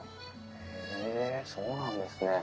へえそうなんですね。